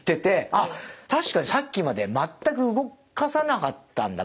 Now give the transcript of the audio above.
あっ確かにさっきまで全く動かせなかったんだ。